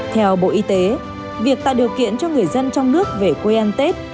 theo bộ y tế việc tạo điều kiện cho người dân trong nước về quê ăn tết